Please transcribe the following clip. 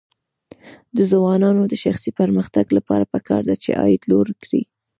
د ځوانانو د شخصي پرمختګ لپاره پکار ده چې عاید لوړ کړي.